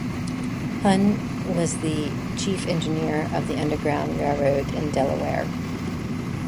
Hunn was the Chief Engineer of the Underground Railroad in Delaware.